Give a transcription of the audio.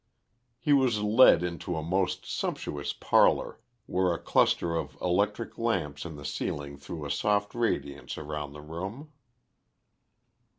He was led into a most sumptuous parlour where a cluster of electric lamps in the ceiling threw a soft radiance around the room.